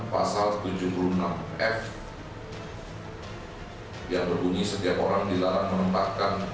pasal tujuh puluh enam f yang berbunyi setiap orang dilarang menempatkan